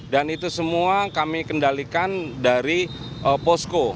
dan itu semua kami kendalikan dari posko